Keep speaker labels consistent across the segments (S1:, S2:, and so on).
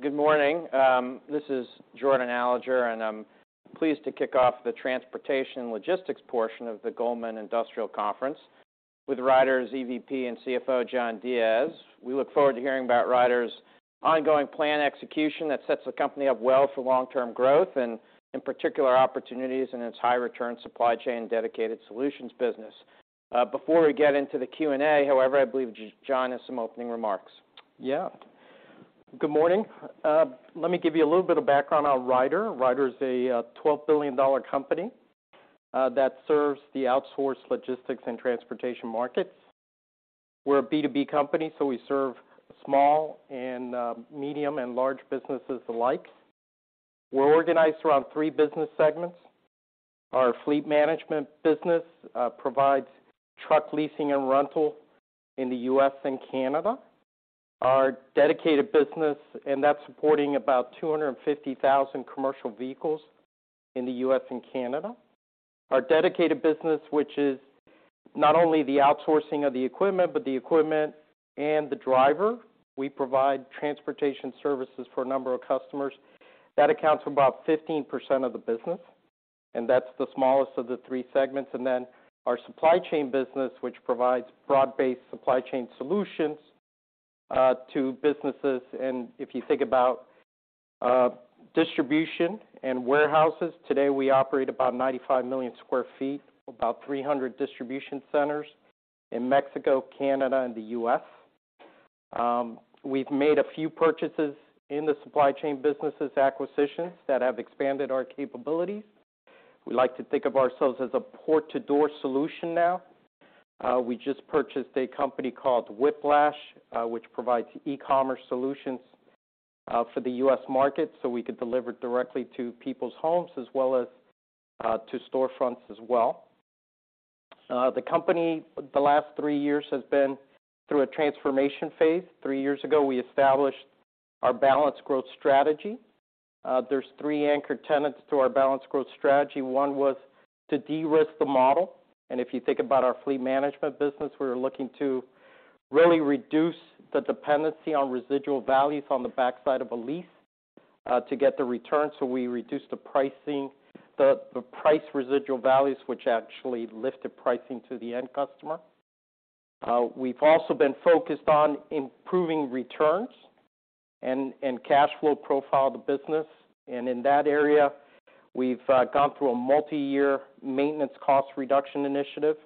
S1: Well, good morning. This is Jordan Alliger and I'm pleased to kick off the transportation logistics portion of the Goldman Industrial Conference with Ryder's EVP and CFO, John Diez. We look forward to hearing about Ryder's ongoing plan execution that sets the company up well for long-term growth and in particular opportunities in its high return supply chain dedicated solutions business. Before we get into the Q&A, however, I believe John has some opening remarks. Yeah. Good morning. Let me give you a little bit of background on Ryder. Ryder is a $12 billion company that serves the outsourced logistics and transportation markets. We're a B2B company. We serve small and medium and large businesses alike. We're organized around three business segments. Our fleet management business provides truck leasing and rental in the U.S., and Canada. Our dedicated business. That's supporting about 250,000 commercial vehicles in the U.S., and Canada. Our dedicated business, which is not only the outsourcing of the equipment, but the equipment and the driver. We provide transportation services for a number of customers. That accounts for about 15% of the business. That's the smallest of the three segments. Our supply chain business, which provides broad-based supply chain solutions to businesses. If you think about distribution and warehouses, today we operate about 95 million sq ft, about 300 distribution centers in Mexico, Canada, and the U.S. We've made a few purchases in the supply chain businesses acquisitions that have expanded our capabilities. We like to think of ourselves as a port-to-door solution now. We just purchased a company called Whiplash, which provides e-commerce solutions for the U.S. market, so we could deliver directly to people's homes as well as to storefronts as well. The company, the last 3 years, has been through a transformation phase. 3 years ago, we established our balanced growth strategy. There's 3 anchor tenants to our balanced growth strategy. One was to de-risk the model. If you think about our fleet management business, we were looking to really reduce the dependency on residual values on the backside of a lease to get the return. We reduced the pricing, the price residual values, which actually lifted pricing to the end customer. We've also been focused on improving returns and cash flow profile of the business. In that area, we've gone through a multi-year maintenance cost reduction initiative,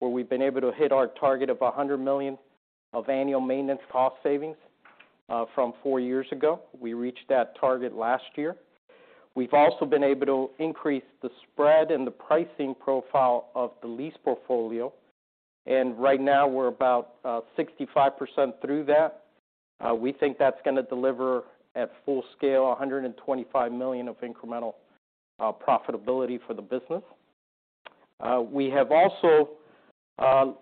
S1: where we've been able to hit our target of $100 million of annual maintenance cost savings from 4 years ago. We reached that target last year. We've also been able to increase the spread and the pricing profile of the lease portfolio, and right now we're about 65% through that. We think that's gonna deliver at full scale, $125 million of incremental profitability for the business. We have also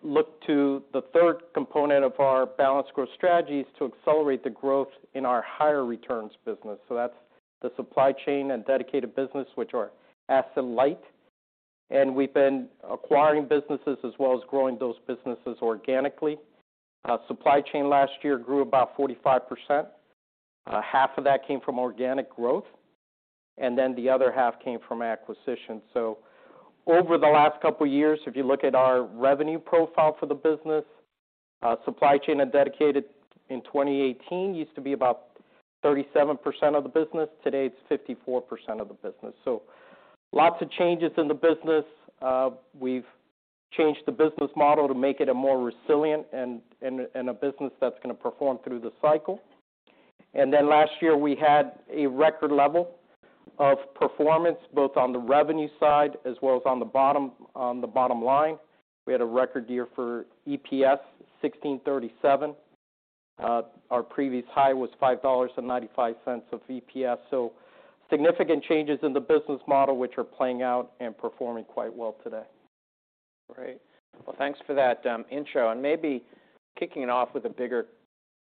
S1: looked to the third component of our balanced growth strategy to accelerate the growth in our higher returns business. That's the supply chain and dedicated business, which are asset light. We've been acquiring businesses as well as growing those businesses organically. Supply chain last year grew about 45%. Half of that came from organic growth, the other half came from acquisition. Over the last couple of years, if you look at our revenue profile for the business, supply chain and dedicated in 2018 used to be about 37% of the business. Today, it's 54% of the business. Lots of changes in the business. We've changed the business model to make it a more resilient and a business that's gonna perform through the cycle. Last year, we had a record level of performance, both on the revenue side as well as on the bottom line. We had a record year for EPS, $16.37. Our previous high was $5.95 of EPS. Significant changes in the business model, which are playing out and performing quite well today. Great. Well, thanks for that intro. Maybe kicking it off with a bigger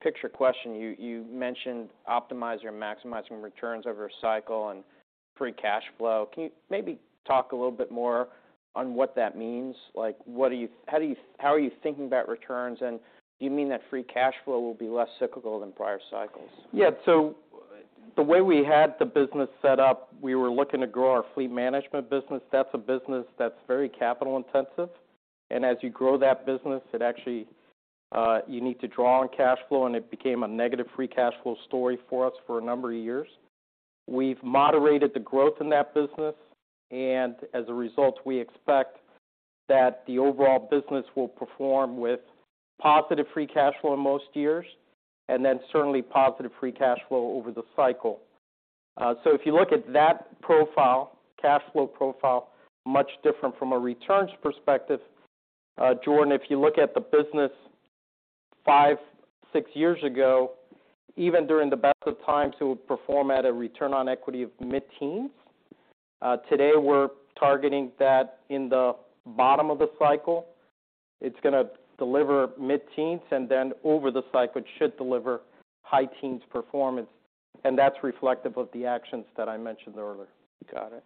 S1: picture question, you mentioned optimizing or maximizing returns over a cycle and free cash flow. Can you maybe talk a little bit more on what that means? Like, how are you thinking about returns, and do you mean that free cash flow will be less cyclical than prior cycles?
S2: The way we had the business set up, we were looking to grow our fleet management business. That's a business that's very capital intensive. As you grow that business, it actually, you need to draw on cash flow, and it became a negative free cash flow story for us for a number of years. We've moderated the growth in that business, and as a result, we expect that the overall business will perform with positive free cash flow in most years, and then certainly positive free cash flow over the cycle. If you look at that profile, cash flow profile, much different from a returns perspective. Jordan, if you look at the business five, six years ago, even during the best of times, it would perform at a return on equity of mid-teens. Today, we're targeting that in the bottom of the cycle. It's gonna deliver mid-teens, and then over the cycle, it should deliver high teens performance. That's reflective of the actions that I mentioned earlier.
S1: Got it.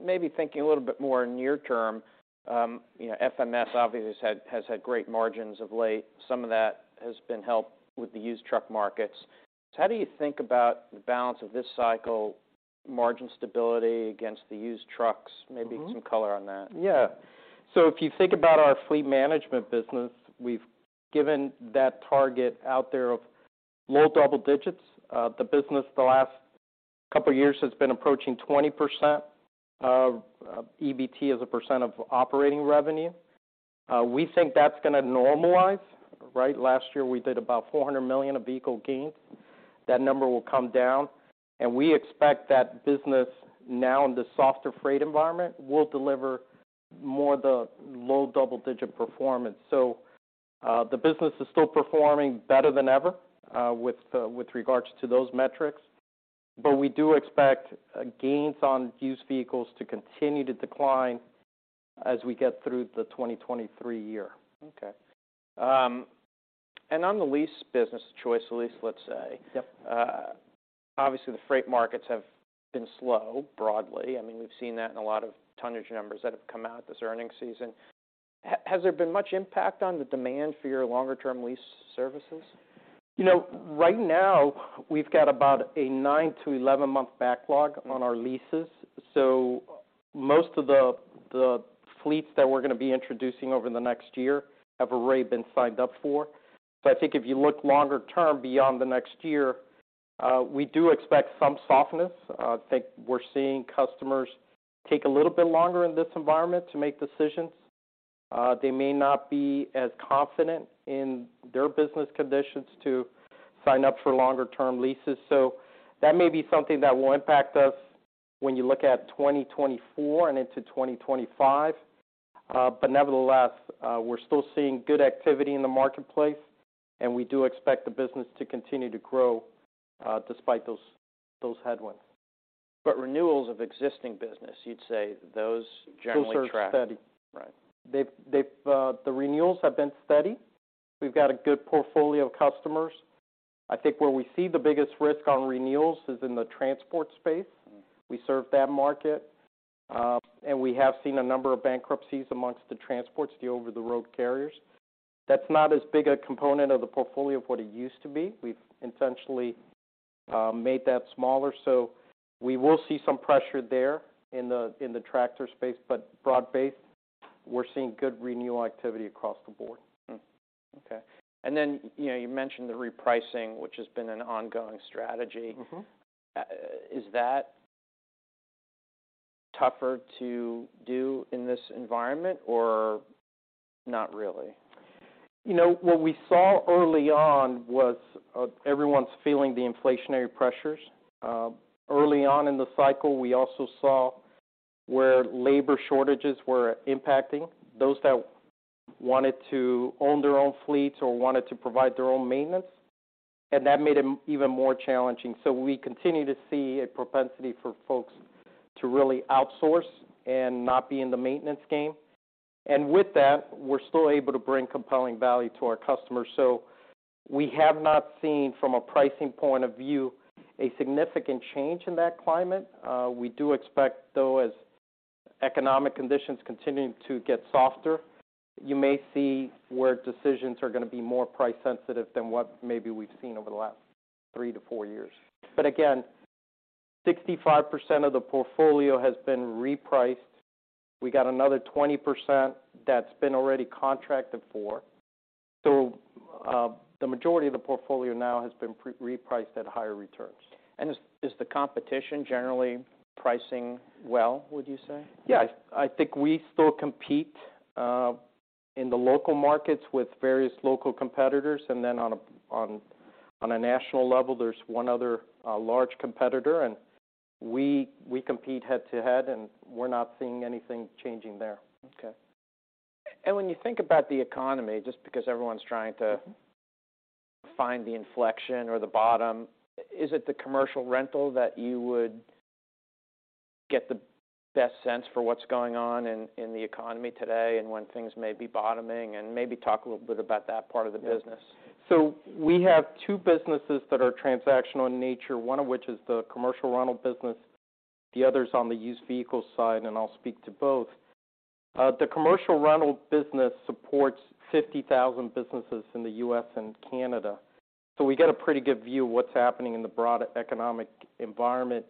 S1: Maybe thinking a little bit more near term, you know, FMS obviously has had great margins of late. Some of that has been helped with the used truck markets. How do you think about the balance of this cycle, margin stability against the used trucks?
S2: Mm-hmm.
S1: Maybe some color on that.
S2: If you think about our fleet management business, we've given that target out there of low double digits. The business the last couple of years has been approaching 20% of EBT as a percent of operating revenue. We think that's gonna normalize, right? Last year, we did about $400 million of vehicle gains. That number will come down. We expect that business now in the softer freight environment will deliver more the low double-digit performance. The business is still performing better than ever with regards to those metrics. We do expect gains on used vehicles to continue to decline as we get through the 2023 year. Okay. on the lease business ChoiceLease, let's say. Yep.
S1: Obviously the freight markets have been slow, broadly. I mean, we've seen that in a lot of tonnage numbers that have come out this earning season. Has there been much impact on the demand for your longer term lease services?
S2: You know, right now we've got about a 9-11 month backlog on our leases. Most of the fleets that we're gonna be introducing over the next year have already been signed up for. I think if you look longer term beyond the next year, we do expect some softness. I think we're seeing customers take a little bit longer in this environment to make decisions. They may not be as confident in their business conditions to sign up for longer term leases. That may be something that will impact us when you look at 2024 and into 2025. Nevertheless, we're still seeing good activity in the marketplace, and we do expect the business to continue to grow despite those headwinds.
S1: Renewals of existing business, you'd say those generally track-
S2: Those are steady.
S1: Right.
S2: They've the renewals have been steady. We've got a good portfolio of customers. I think where we see the biggest risk on renewals is in the transport space.
S1: Mm.
S2: We serve that market, we have seen a number of bankruptcies amongst the transports, the over-the-road carriers. That's not as big a component of the portfolio of what it used to be. We've intentionally made that smaller. We will see some pressure there in the tractor space. Broad-based, we're seeing good renewal activity across the board.
S1: Okay. Then, you know, you mentioned the repricing, which has been an ongoing strategy.
S2: Mm-hmm.
S1: Is that tougher to do in this environment or not really?
S2: You know, what we saw early on was, everyone's feeling the inflationary pressures. Early on in the cycle, we also saw where labor shortages were impacting those that wanted to own their own fleets or wanted to provide their own maintenance, and that made them even more challenging. We continue to see a propensity for folks to really outsource and not be in the maintenance game. And with that, we're still able to bring compelling value to our customers. We have not seen, from a pricing point of view, a significant change in that climate. We do expect, though, as economic conditions continue to get softer, you may see where decisions are gonna be more price sensitive than what maybe we've seen over the last 3-4 years. But again, 65% of the portfolio has been repriced. We got another 20% that's been already contracted for. The majority of the portfolio now has been pre-repriced at higher returns.
S1: Is the competition generally pricing well, would you say?
S2: Yes. I think we still compete, in the local markets with various local competitors. Then on a national level, there's one other, large competitor, and we compete head-to-head, and we're not seeing anything changing there.
S1: Okay. When you think about the economy, just because everyone's trying to.
S2: Mm-hmm
S1: ...find the inflection or the bottom, is it the commercial rental that you would get the best sense for what's going on in the economy today and when things may be bottoming? Maybe talk a little bit about that part of the business.
S2: We have two businesses that are transactional in nature, one of which is the commercial rental business, the other is on the used vehicle side, and I'll speak to both. The commercial rental business supports 50,000 businesses in the U.S. and Canada, so we get a pretty good view of what's happening in the broader economic environment.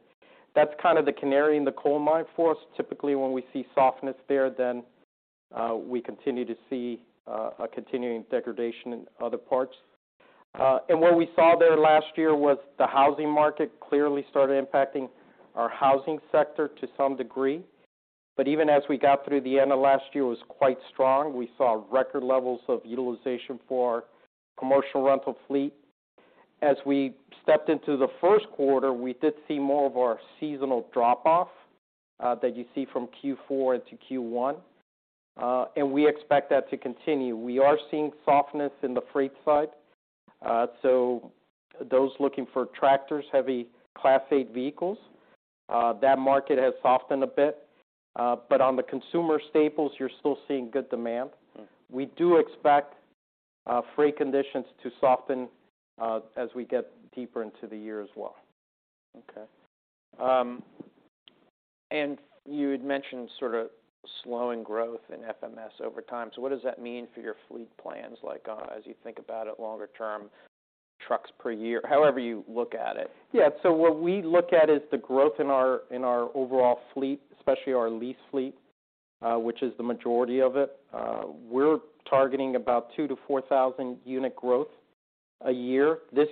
S2: That's kind of the canary in the coal mine for us. Typically, when we see softness there, then we continue to see a continuing degradation in other parts. What we saw there last year was the housing market clearly started impacting our housing sector to some degree. Even as we got through the end of last year, it was quite strong. We saw record levels of utilization for commercial rental fleet. As we stepped into the first quarter, we did see more of our seasonal drop-off, that you see from Q4 into Q1, and we expect that to continue. We are seeing softness in the freight side. Those looking for tractors, heavy Class 8 vehicles. That market has softened a bit. On the consumer staples, you're still seeing good demand.
S1: Mm-hmm.
S2: We do expect freight conditions to soften as we get deeper into the year as well.
S1: Okay. You had mentioned sort of slowing growth in FMS over time. What does that mean for your fleet plans, like, as you think about it longer term, trucks per year? However you look at it.
S2: Yeah. What we look at is the growth in our overall fleet, especially our lease fleet, which is the majority of it. We're targeting about 2,000-4,000 unit growth a year. This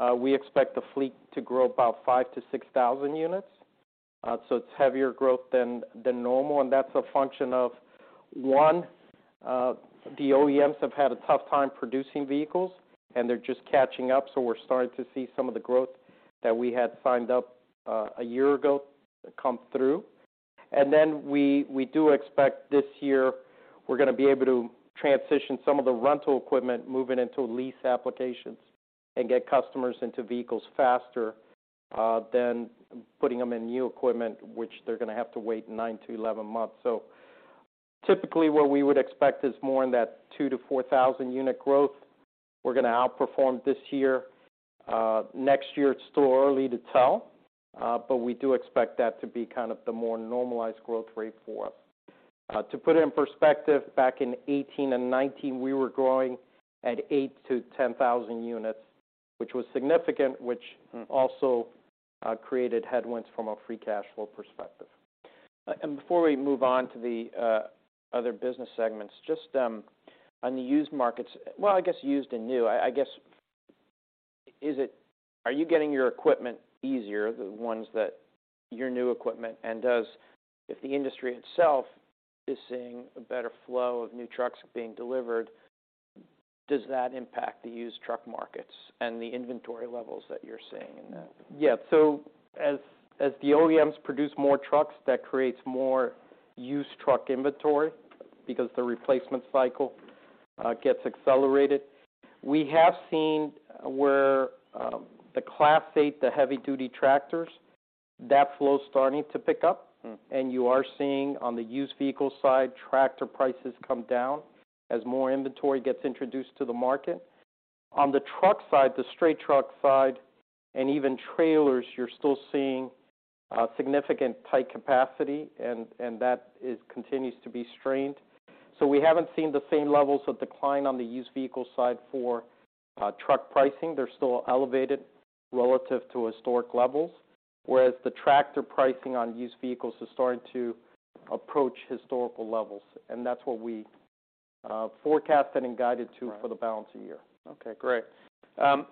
S2: year, we expect the fleet to grow about 5,000-6,000 units. It's heavier growth than normal, and that's a function of, one, the OEMs have had a tough time producing vehicles, and they're just catching up, so we're starting to see some of the growth that we had signed up, a year ago come through. We do expect this year, we're gonna be able to transition some of the rental equipment, moving into lease applications and get customers into vehicles faster, than putting them in new equipment, which they're gonna have to wait 9-11 months. Typically, what we would expect is more in that 2,000-4,000 unit growth. We're gonna outperform this year. Next year, it's still early to tell, but we do expect that to be kind of the more normalized growth rate for us. To put it in perspective, back in 2018 and 2019, we were growing at 8,000-10,000 units, which was significant, which also created headwinds from a free cash flow perspective.
S1: Before we move on to the other business segments, just on the used markets, well, I guess used and new, I guess, are you getting your equipment easier, the ones that... your new equipment, if the industry itself is seeing a better flow of new trucks being delivered, does that impact the used truck markets and the inventory levels that you're seeing in that?
S2: Yeah. As the OEMs produce more trucks, that creates more used truck inventory because the replacement cycle gets accelerated. We have seen where the Class 8, the heavy-duty tractors, that flow's starting to pick up.
S1: Mm-hmm.
S2: You are seeing on the used vehicle side, tractor prices come down as more inventory gets introduced to the market. On the truck side, the straight truck side, and even trailers, you're still seeing significant tight capacity and that is, continues to be strained. We haven't seen the same levels of decline on the used vehicle side for truck pricing. They're still elevated relative to historic levels, whereas the tractor pricing on used vehicles is starting to approach historical levels. That's what we forecast and then guide it to.
S1: Right...
S2: for the balance of the year.
S1: Okay, great.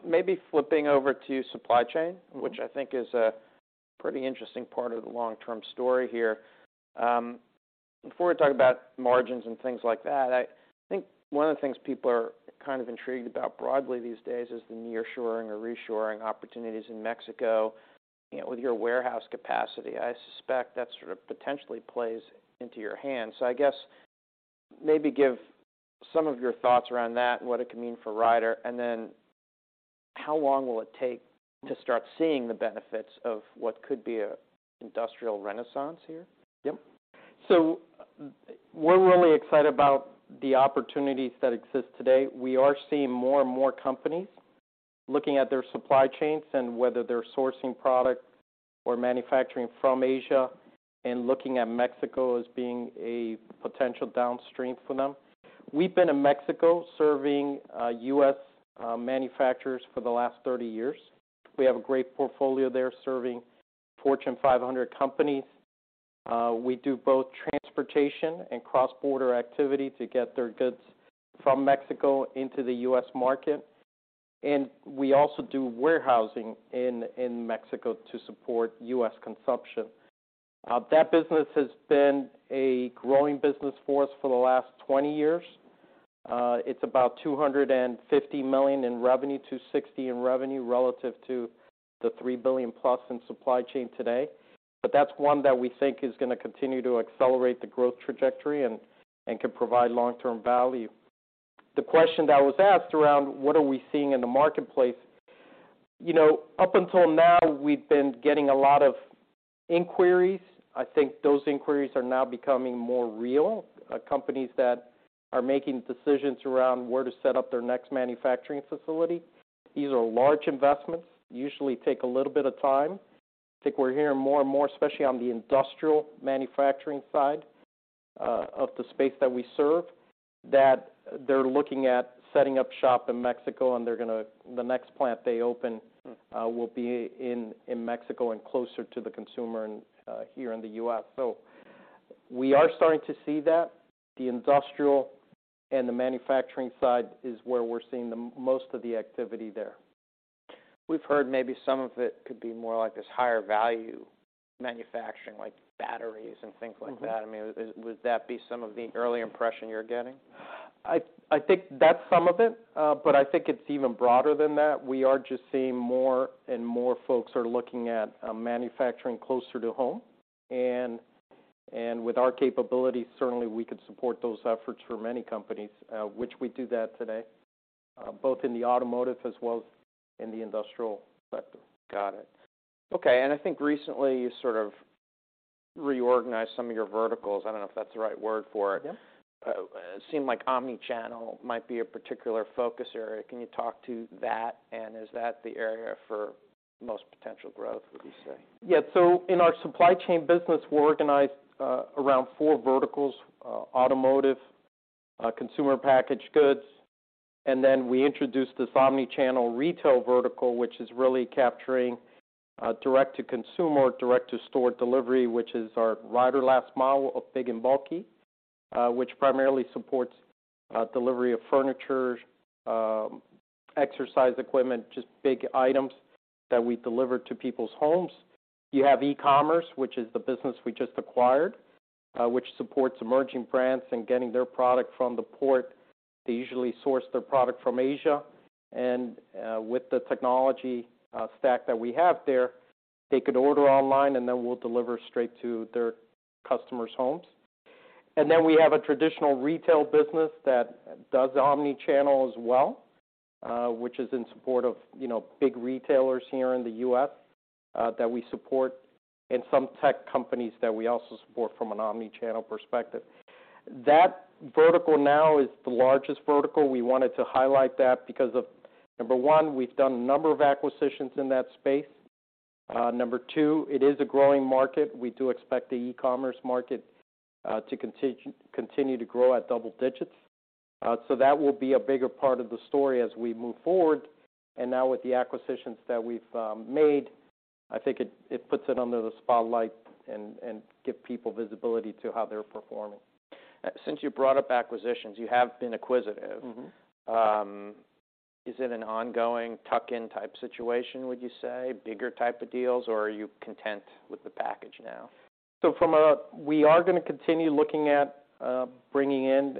S1: maybe flipping over to supply chain-
S2: Mm-hmm
S1: which I think is a pretty interesting part of the long-term story here. Before we talk about margins and things like that, I think one of the things people are kind of intrigued about broadly these days is the nearshoring or reshoring opportunities in Mexico. You know, with your warehouse capacity, I suspect that sort of potentially plays into your hands. I guess maybe give some of your thoughts around that and what it could mean for Ryder, and then how long will it take to start seeing the benefits of what could be an industrial renaissance here?
S2: Yep. We're really excited about the opportunities that exist today. We are seeing more and more companies looking at their supply chains and whether they're sourcing product or manufacturing from Asia and looking at Mexico as being a potential downstream for them. We've been in Mexico serving U.S., manufacturers for the last 30 years. We have a great portfolio there serving Fortune 500 companies. We do both transportation and cross-border activity to get their goods from Mexico into the U.S., market. We also do warehousing in Mexico to support U.S., consumption. That business has been a growing business for us for the last 20 years. It's about $250 million in revenue, $260 million in revenue relative to the $3 billion-plus in supply chain today. That's one that we think is gonna continue to accelerate the growth trajectory and can provide long-term value. The question that was asked around what are we seeing in the marketplace, you know, up until now, we've been getting a lot of inquiries. I think those inquiries are now becoming more real. Companies that are making decisions around where to set up their next manufacturing facility. These are large investments, usually take a little bit of time. I think we're hearing more and more, especially on the industrial manufacturing side of the space that we serve, that they're looking at setting up shop in Mexico, and the next plant they open-
S1: Mm-hmm...
S2: will be in Mexico and closer to the consumer and here in the U.S. We are starting to see that. The industrial and the manufacturing side is where we're seeing the most of the activity there.
S1: We've heard maybe some of it could be more like this higher value manufacturing like batteries and things like that.
S2: Mm-hmm.
S1: I mean, would that be some of the early impression you're getting?
S2: I think that's some of it, but I think it's even broader than that. We are just seeing more and more folks are looking at manufacturing closer to home. With our capability, certainly, we could support those efforts for many companies, which we do that today, both in the automotive as well as in the industrial sector.
S1: Got it. Okay. I think recently you sort of reorganized some of your verticals. I don't know if that's the right word for it.
S2: Yeah.
S1: It seemed like omnichannel might be a particular focus area. Can you talk to that? Is that the area for the most potential growth, would you say?
S2: So in our supply chain business, we're organized around four verticals: automotive, consumer packaged goods, and then we introduced this omnichannel retail vertical, which is really capturing direct to consumer, direct to store delivery, which is our Ryder Last Mile of big and bulky, which primarily supports delivery of furniture, exercise equipment, just big items that we deliver to people's homes. You have e-commerce, which is the business we just acquired, which supports emerging brands in getting their product from the port. They usually source their product from Asia. With the technology stack that we have there, they could order online, and then we'll deliver straight to their customers' homes. We have a traditional retail business that does omnichannel as well, which is in support of, you know, big retailers here in the U.S., that we support and some tech companies that we also support from an omnichannel perspective. That vertical now is the largest vertical. We wanted to highlight that because of, number one, we've done a number of acquisitions in that space. Number two, it is a growing market. We do expect the e-commerce market to continue to grow at double digits. That will be a bigger part of the story as we move forward. With the acquisitions that we've made, I think it puts it under the spotlight and give people visibility to how they're performing.
S1: Since you brought up acquisitions, you have been acquisitive.
S2: Mm-hmm.
S1: Is it an ongoing tuck-in type situation, would you say, bigger type of deals, or are you content with the package now?
S2: We are gonna continue looking at bringing in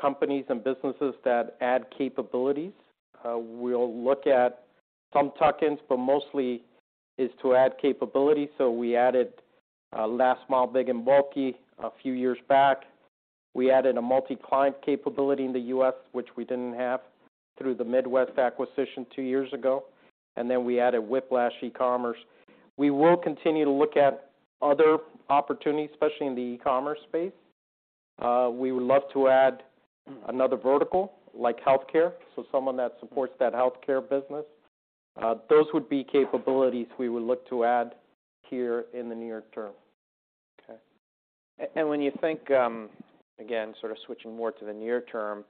S2: companies and businesses that add capabilities. We'll look at some tuck-ins, but mostly is to add capability. We added last mile big and bulky a few years back. We added a multi-client capability in the U.S., which we didn't have, through the Midwest acquisition two years ago. We added Whiplash e-commerce. We will continue to look at other opportunities, especially in the e-commerce space. We would love to add another vertical like healthcare, so someone that supports that healthcare business. Those would be capabilities we would look to add here in the near term.
S1: Okay. When you think, again, sort of switching more to the near term,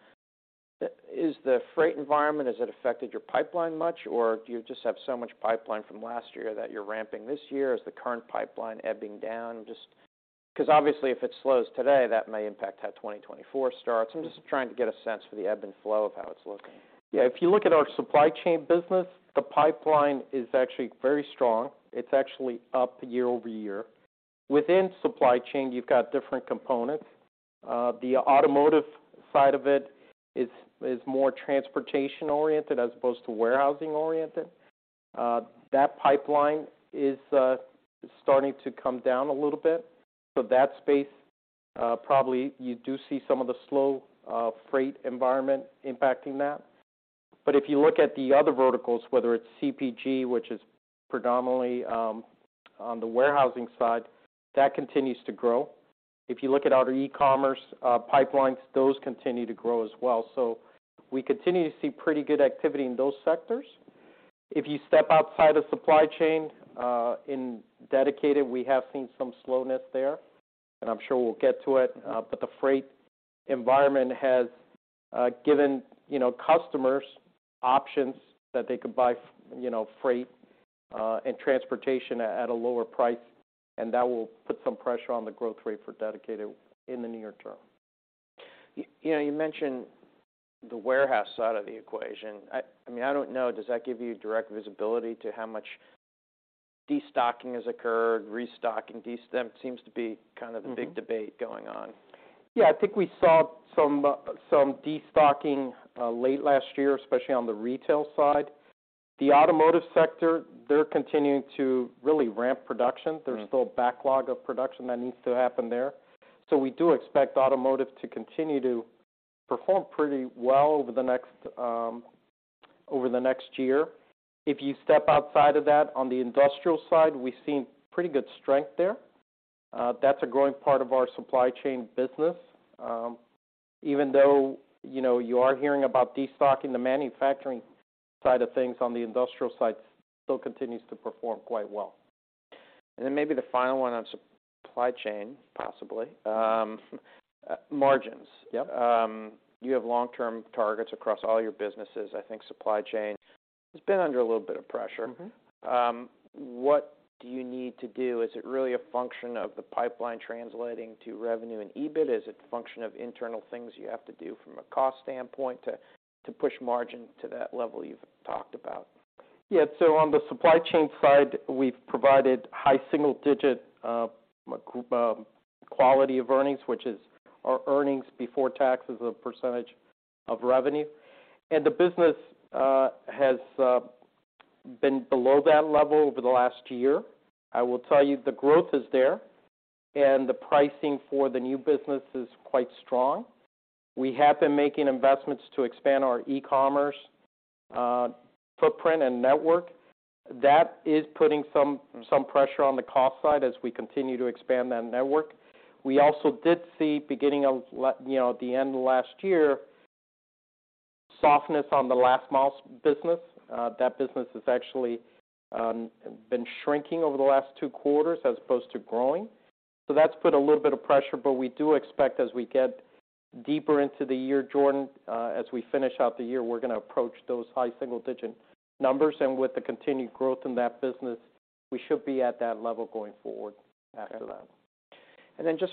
S1: is the freight environment, has it affected your pipeline much, or do you just have so much pipeline from last year that you're ramping this year? Is the current pipeline ebbing down? Obviously, if it slows today, that may impact how 2024 starts. I'm just trying to get a sense for the ebb and flow of how it's looking.
S2: Yeah. If you look at our supply chain business, the pipeline is actually very strong. It's actually up year-over-year. Within supply chain, you've got different components. The automotive side of it is more transportation-oriented as opposed to warehousing-oriented. That pipeline is starting to come down a little bit. That space, probably you do see some of the slow freight environment impacting that. If you look at the other verticals, whether it's CPG, which is predominantly on the warehousing side, that continues to grow. If you look at our e-commerce pipelines, those continue to grow as well. We continue to see pretty good activity in those sectors. If you step outside of supply chain, in dedicated, we have seen some slowness there. I'm sure we'll get to it. The freight environment has given, you know, customers options that they could buy you know, freight, and transportation at a lower price, and that will put some pressure on the growth rate for dedicated in the near term.
S1: You know, you mentioned the warehouse side of the equation. I mean, I don't know, does that give you direct visibility to how much destocking has occurred, restocking? That seems to be kind of the big debate going on.
S2: I think we saw some destocking, late last year, especially on the retail side. The automotive sector, they're continuing to really ramp production.
S1: Mm-hmm.
S2: There's still a backlog of production that needs to happen there. We do expect automotive to continue to perform pretty well over the next, over the next year. If you step outside of that, on the industrial side, we've seen pretty good strength there. That's a growing part of our supply chain business. Even though, you know, you are hearing about destocking, the manufacturing side of things on the industrial side still continues to perform quite well.
S1: Maybe the final one on supply chain, possibly, margins.
S2: Yep.
S1: you have long-term targets across all your businesses. I think supply chain has been under a little bit of pressure.
S2: Mm-hmm.
S1: What do you need to do? Is it really a function of the pipeline translating to revenue and EBIT? Is it a function of internal things you have to do from a cost standpoint to push margin to that level you've talked about?
S2: On the supply chain side, we've provided high single digit quality of earnings, which is our earnings before tax as a percentage of revenue. We've been below that level over the last year. I will tell you, the growth is there, and the pricing for the new business is quite strong. We have been making investments to expand our e-commerce footprint and network. That is putting some pressure on the cost side as we continue to expand that network. We also did see, you know, the end of last year, softness on the last mile business. That business has actually been shrinking over the last 2 quarters as opposed to growing. That's put a little bit of pressure, but we do expect as we get deeper into the year, Jordan, as we finish out the year, we're gonna approach those high single digit numbers. With the continued growth in that business, we should be at that level going forward after that.
S1: Just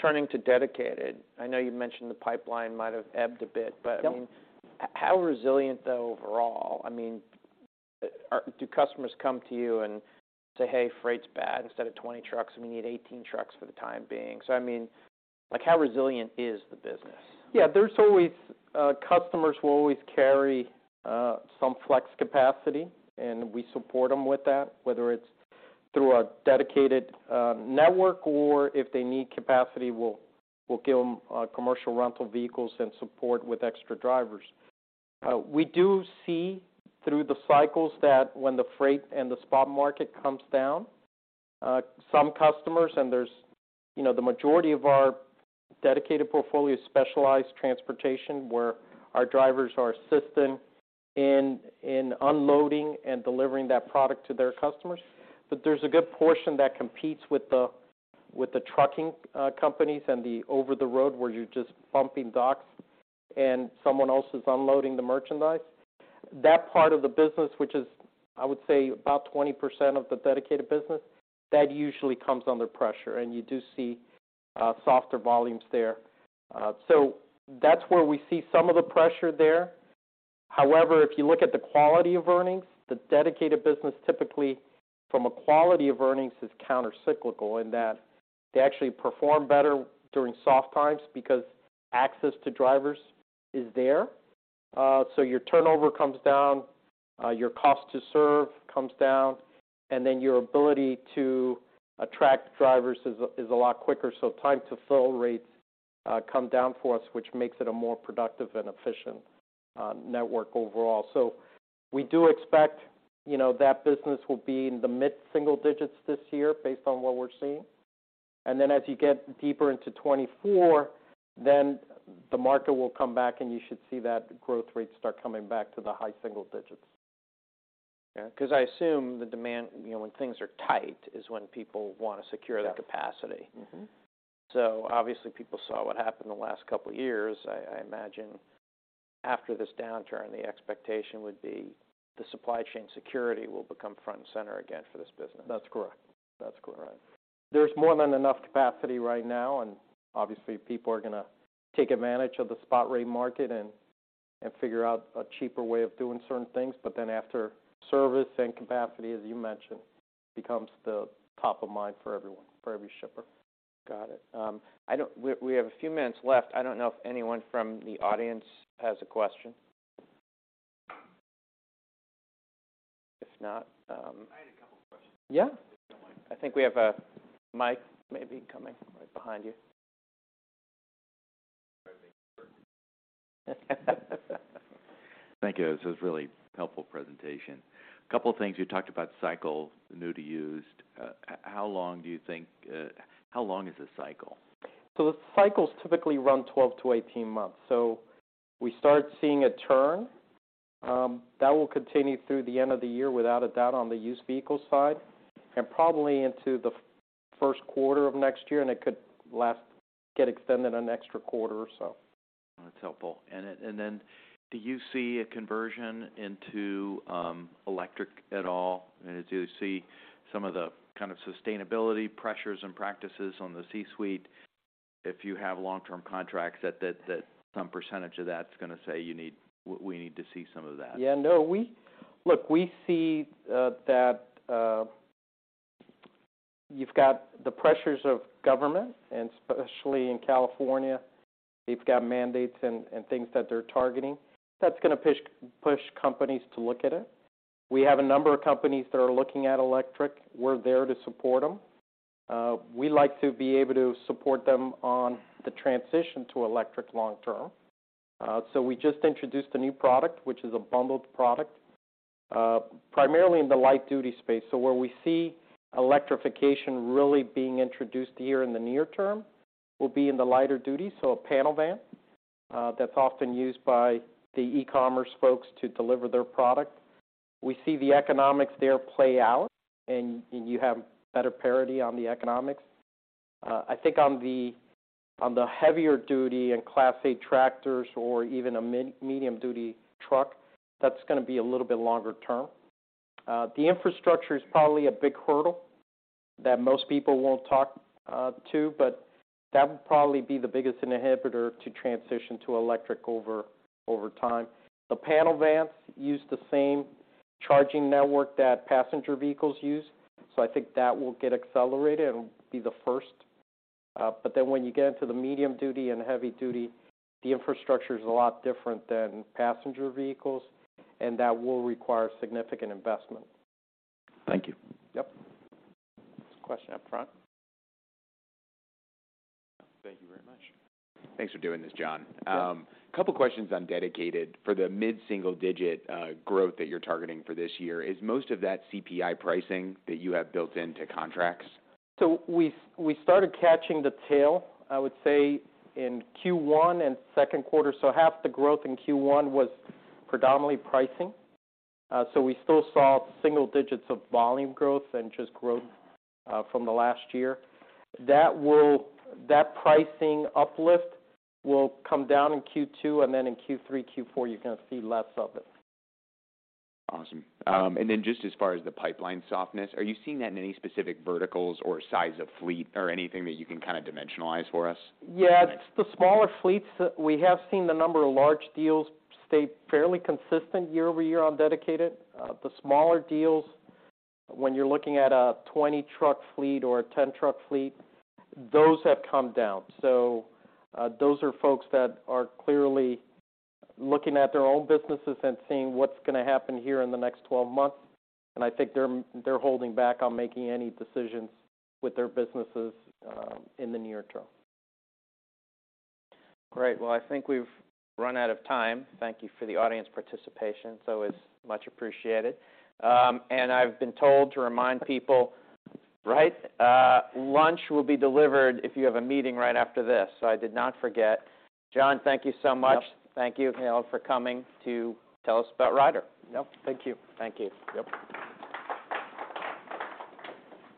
S1: turning to dedicated, I know you mentioned the pipeline might have ebbed a bit.
S2: Yep
S1: I mean, how resilient though overall? I mean, do customers come to you and say, "Hey, freight's bad. Instead of 20 trucks, we need 18 trucks for the time being." I mean, like how resilient is the business?
S2: There's always customers will always carry some flex capacity, and we support them with that, whether it's through a dedicated network or if they need capacity, we'll give them commercial rental vehicles and support with extra drivers. We do see through the cycles that when the freight and the spot market comes down, some customers, and there's, you know, the majority of our dedicated portfolio specialized transportation, where our drivers are assisting in unloading and delivering that product to their customers. There's a good portion that competes with the trucking companies and the over the road where you're just bumping docks and someone else is unloading the merchandise. That part of the business, which is, I would say, about 20% of the dedicated business, that usually comes under pressure, you do see softer volumes there. That's where we see some of the pressure there. However, if you look at the quality of earnings, the dedicated business, typically from a quality of earnings, is countercyclical in that they actually perform better during soft times because access to drivers is there. Your turnover comes down, your cost to serve comes down, then your ability to attract drivers is a lot quicker. Time to fill rates come down for us, which makes it a more productive and efficient network overall. We do expect, you know, that business will be in the mid single digits this year based on what we're seeing. As you get deeper into 2024, then the market will come back, and you should see that growth rate start coming back to the high single digits.
S1: Yeah. 'Cause I assume the demand, you know, when things are tight is when people want to.
S2: Yeah...
S1: the capacity.
S2: Mm-hmm.
S1: Obviously people saw what happened the last couple of years. I imagine after this downturn, the expectation would be the supply chain security will become front and center again for this business.
S2: That's correct. That's correct.
S1: Right.
S2: There's more than enough capacity right now, and obviously people are gonna take advantage of the spot rate market and figure out a cheaper way of doing certain things. After service and capacity, as you mentioned, becomes the top of mind for everyone, for every shipper.
S1: Got it. We have a few minutes left. I don't know if anyone from the audience has a question. If not,
S3: I had a couple questions.
S1: Yeah.
S3: If you don't mind.
S1: I think we have a mic maybe coming right behind you.
S3: Thank you. This was really helpful presentation. A couple of things. You talked about cycle, the new to used. How long is the cycle?
S2: The cycles typically run 12 to 18 months. We start seeing a turn, that will continue through the end of the year, without a doubt, on the used vehicle side, and probably into the first quarter of next year, and it could get extended an extra quarter or so.
S3: That's helpful. Then do you see a conversion into electric at all? Do you see some of the kind of sustainability pressures and practices on the C-suite if you have long-term contracts that some percentage of that's gonna say you need we need to see some of that?
S2: Yeah, no, we look, we see that you've got the pressures of government, especially in California, they've got mandates and things that they're targeting. That's gonna push companies to look at it. We have a number of companies that are looking at electric. We're there to support them. We like to be able to support them on the transition to electric long term. We just introduced a new product, which is a bundled product, primarily in the light duty space. Where we see electrification really being introduced here in the near term will be in the lighter duty. A panel van that's often used by the e-commerce folks to deliver their product. We see the economics there play out, and you have better parity on the economics. I think on the heavier duty and Class A tractors or even a medium duty truck, that's going to be a little bit longer term. The infrastructure is probably a big hurdle that most people won't talk to, but that would probably be the biggest inhibitor to transition to electric over time. The panel vans use the same charging network that passenger vehicles use. I think that will get accelerated, and it'll be the first. When you get into the medium duty and heavy duty, the infrastructure is a lot different than passenger vehicles, and that will require significant investment.
S1: Thank you.
S2: Yep.
S1: There's a question up front.
S3: Thank you very much. Thanks for doing this, John.
S2: Sure.
S3: Couple questions on dedicated. For the mid-single digit growth that you're targeting for this year, is most of that CPI pricing that you have built into contracts?
S2: We started catching the tail, I would say, in Q1 and second quarter. Half the growth in Q1 was predominantly pricing. We still saw single digits of volume growth and just growth from the last year. That pricing uplift will come down in Q2, then in Q3, Q4, you're gonna see less of it.
S3: Awesome. Just as far as the pipeline softness, are you seeing that in any specific verticals or size of fleet or anything that you can kind of dimensionalize for us?
S2: Yeah, it's the smaller fleets. We have seen the number of large deals stay fairly consistent year-over-year on dedicated. The smaller deals, when you're looking at a 20-truck fleet or a 10-truck fleet, those have come down. Those are folks that are clearly looking at their own businesses and seeing what's gonna happen here in the next 12 months. I think they're holding back on making any decisions with their businesses in the near term.
S1: Great. Well, I think we've run out of time. Thank you for the audience participation. It's much appreciated. I've been told to remind people, right, lunch will be delivered if you have a meeting right after this. I did not forget. John, thank you so much.
S2: Yep.
S1: Thank you for coming to tell us about Ryder.
S2: Yep. Thank you.
S1: Thank you.
S2: Yep.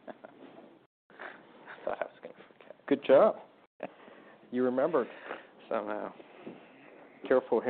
S1: I thought I was gonna forget.
S2: Good job.
S1: You remembered somehow.
S2: Careful here.